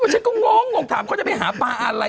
ฉันก็งงถามเขาจะไปหาปลาอะไร